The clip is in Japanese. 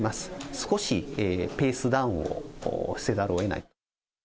少しペースダウンをせざるをえない。